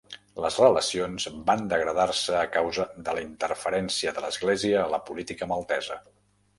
"Les relacions van degradar-se a causa de la interferència de l'església a la política maltesa"